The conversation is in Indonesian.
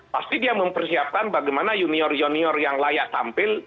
pasti dia mempersiapkan bagaimana junior junior yang layak tampil